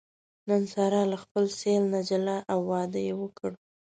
نن ساره له خپل سېل نه جلا او واده یې وکړ.